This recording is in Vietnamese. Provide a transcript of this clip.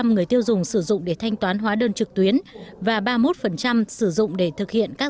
năm mươi người tiêu dùng sử dụng để thanh toán hóa đơn trực tuyến và ba mươi một sử dụng để thực hiện các